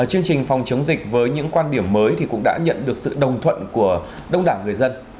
chương trình phòng chống dịch với những quan điểm mới cũng đã nhận được sự đồng thuận của đông đảo người dân